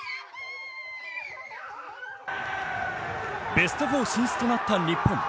ベスト４進出となった日本。